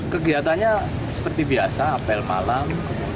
kegiatannya seperti biasa apel malam